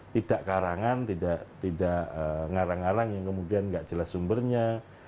tidak karangan tidak ngarang ngarang yang kemudian tidak jelas sumbernya